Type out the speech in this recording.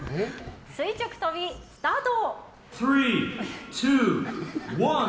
垂直跳び、スタート！